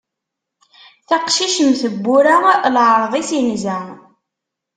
Taqcict mm tebbura, leɛṛeḍ-is inza.